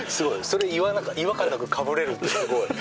それ違和感なくかぶれるってすごい。